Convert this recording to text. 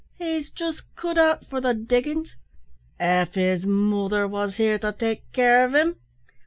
He's just cut out for the diggin's, av his mother wos here to take care of him."